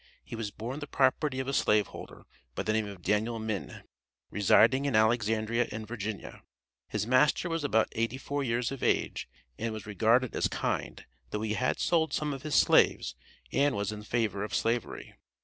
He was born the property of a slaveholder, by the name of Daniel Minne, residing in Alexandria in Virginia. His master was about eighty four years of age, and was regarded as kind, though he had sold some of his slaves and was in favor of slavery.